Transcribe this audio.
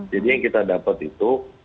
jadi yang kita dapat itu